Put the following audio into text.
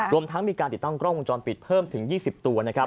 รวมทั้งมีการติดตั้งกล้องกลางจอมปิดเพิ่มถึง๒๐ตัว